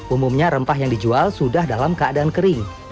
umumnya rempah yang dijual sudah dalam keadaan kering